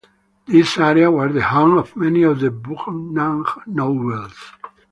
This area was the home of many of the Bunnag nobles.